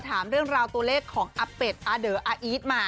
ถามเรื่องราวตัวเลขของอาเป็ดอาเดออาอีทมา